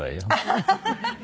ハハハハ。